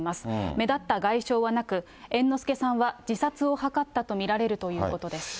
目立った外傷はなく、猿之助さんは自殺を図ったと見られるということです。